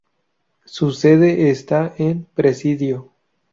Su sede está en Presidio.